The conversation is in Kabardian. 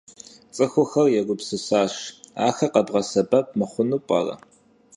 Ts'ıxuxer yêgupsısaş: axer khebğesebep mıxhunu p'ere?